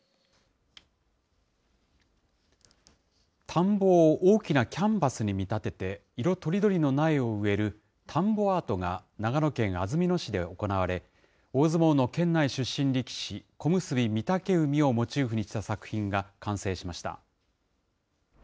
田んぼを大きなキャンバスに見立てて、色とりどりの苗を植える田んぼアートが、長野県安曇野市で行われ、大相撲の県内出身力士、小結・御嶽海をモチーフにした作品が完成しました。